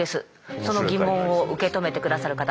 その疑問を受け止めて下さる方